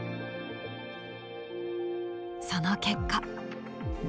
その結果。